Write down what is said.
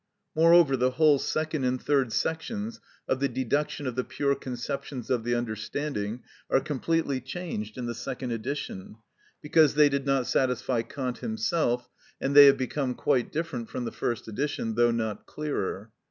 Moreover, the whole second and third sections of the Deduction of the Pure Conceptions of the Understanding are completely changed in the second edition, because they did not satisfy Kant himself, and they have become quite different from the first edition, though not clearer.